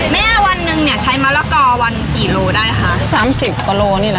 แม่วันนึงเนี่ยใช้มะระเกาวันกี่โลได้ค่ะ